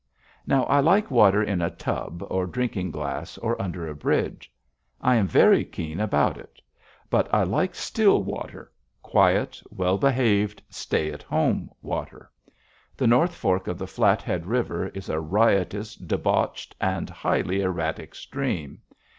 Now, I like water in a tub or drinking glass or under a bridge. I am very keen about it. But I like still water quiet, well behaved, stay at home water. The North Fork of the Flathead River is a riotous, debauched, and highly erratic stream.